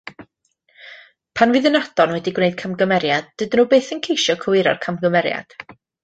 Pan fydd ynadon wedi gwneud camgymeriad, dydyn nhw byth yn ceisio cywiro'r camgymeriad.